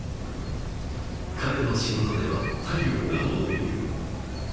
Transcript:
彼の仕事では体力がものをいう